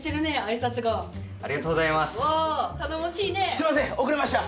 すいません遅れました！